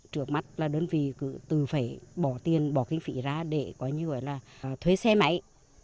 trước mắt đơn vị từ phải bỏ tiền bỏ kinh phị ra để thuế xe máy